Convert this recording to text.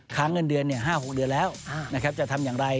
ค้างเงินเดือน๕๖เดือนแล้วจะทำอย่างไร